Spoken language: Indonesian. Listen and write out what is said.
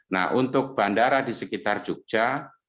nah untuk bandara di sekitar jogja